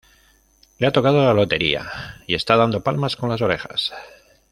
Le ha tocado la lotería y está dando palmas con las orejas